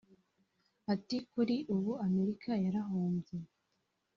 Ati “Kuri ubu Amerika yarahombye